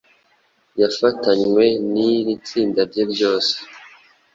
yafatanywe n'iri tsinda rye ryose.